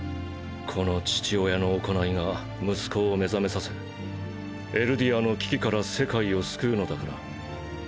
この父親の行いが息子を目覚めさせエルディアの危機から世界を救うのだから。